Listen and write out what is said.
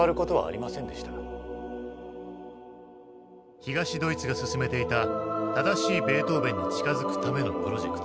東ドイツが進めていた正しいベートーヴェンに近づくためのプロジェクト。